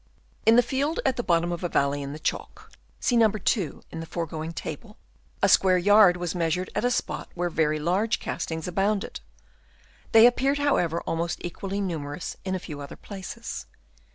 In a field at the bottom of a valley in the chalk (see No. 2 in the foregoing table), a square yard was measured at a spot where very large castings abounded ; they appeared, however, almost equally numerous in a few other places.